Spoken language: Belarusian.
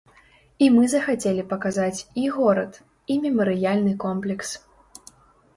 І мы захацелі паказаць і горад, і мемарыяльны комплекс.